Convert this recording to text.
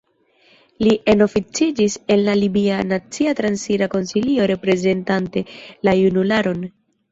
Li enoficiĝis en la libia Nacia Transira Konsilio reprezentante la junularon.